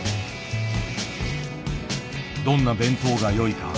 どんな弁当がよいか。